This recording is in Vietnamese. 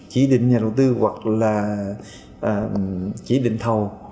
hoặc là chỉ định thầu